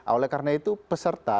oleh karena itu peserta